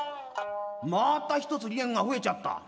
また一つ離縁がふえちゃった。